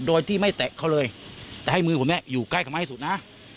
โดยที่ไม่แตะเขาเลยแต่ให้มือผมเนี่ยอยู่ใกล้เขามากที่สุดนะ